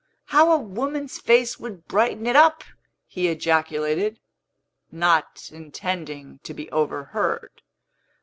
"How a woman's face would brighten it up!" he ejaculated, not intending to be overheard.